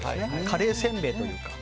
カレーせんべいというか。